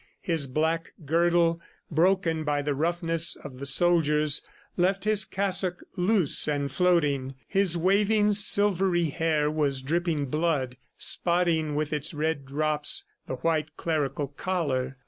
His black girdle, broken by the roughness of the soldiers, left his cassock loose and floating. His waving, silvery hair was dripping blood, spotting with its red drops the white clerical collar.